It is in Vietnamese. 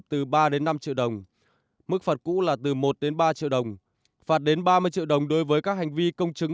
từ ba đến năm triệu đồng mức phạt cũ là từ một đến ba triệu đồng phạt đến ba mươi triệu đồng đối với các hành vi công chứng